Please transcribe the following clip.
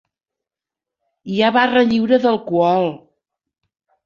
Hi ha barra lliure d'alcohol.